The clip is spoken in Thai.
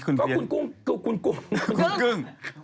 คุณกึ้ง